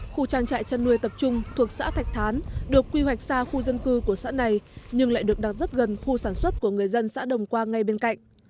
khu trang trại chăn nuôi tập trung thuộc xã thạch thán được quy hoạch xa khu dân cư của xã này nhưng lại được đặt rất gần khu sản xuất của người dân xã đồng qua ngay bên cạnh